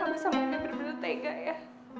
abah sama umi bener bener tega ya